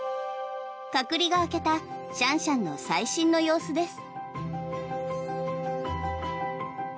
隔離が明けたシャンシャンの最新の様子です。